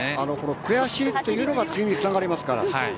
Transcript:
悔しいというのが次につながります。